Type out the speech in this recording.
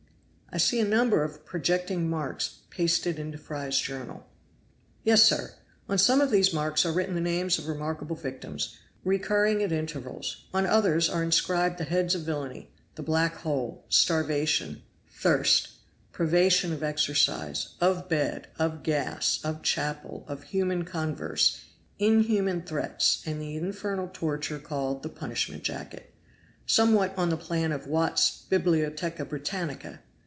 "I see a number of projecting marks pasted into Fry's journal!" "Yes, sir; on some of these marks are written the names of remarkable victims, recurring at intervals; on others are inscribed the heads of villainy 'the black hole,' 'starvation,' 'thirst,' 'privation of exercise,' 'of bed,' 'of gas,' 'of chapel,' 'of human converse,' 'inhuman threats,' and the infernal torture called the 'punishment jacket.' Somewhat on the plan of 'Watt's Bibliotheca Britannica.'